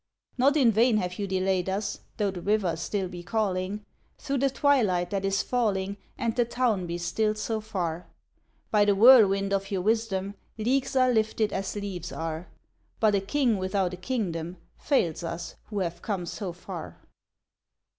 "Not in vain have you delayed us, Though the River still be calling Through the twilight that is falling And the Town be still so far. By the whirlwind of your wisdom Leagues are lifted as leaves are; But a king without a kingdom Fails us, who have come so far."